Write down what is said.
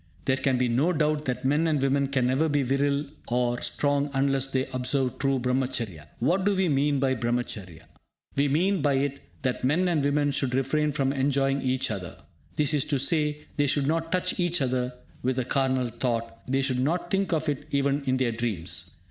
There can be no doubt that men and women can never be virile or strong unless they observe true Brahmacharya. What do we mean by Brahmacharya? We mean by it that men and women should refrain from enjoying each other. That is to say, they should not touch each other with a carnal thought, they should not think of it even in their dreams.